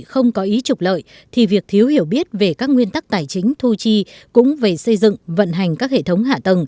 vận ký tiền vận ký để tiêu cái tiền của hai